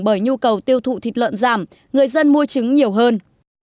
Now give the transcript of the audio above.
bởi nhu cầu tiêu thụ thịt lợn giảm người dân mua trứng nhiều hơn